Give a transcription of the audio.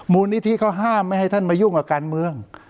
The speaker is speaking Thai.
มูลนิธิเขาห้ามไม่ให้ท่านมายุ่งกับการเมือง